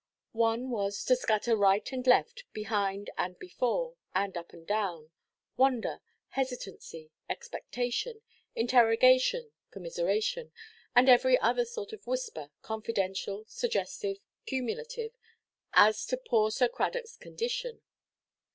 One was, to scatter right and left, behind and before, and up and down, wonder, hesitancy, expectation, interrogation, commiseration, and every other sort of whisper, confidential, suggestive, cumulative, as to poor Sir Cradockʼs condition.